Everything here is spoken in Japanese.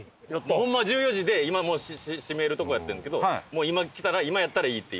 ホンマは１４時で今もう閉めるとこやってんけど今来たら今やったらいいっていう。